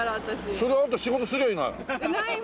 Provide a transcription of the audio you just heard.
それあなた仕事すりゃいいのよ。